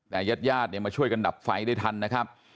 และญาติมาช่วยกันดับไฟได้ทันนะครับ